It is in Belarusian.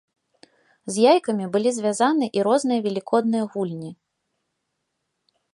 З яйкамі былі звязаны і розныя велікодныя гульні.